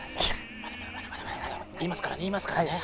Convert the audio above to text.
言いますからね言いますからね。